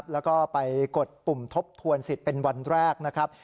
แล้วก็ไปกดปุ่มทบทวนสิทธิ์เป็นวันแรกนะครับ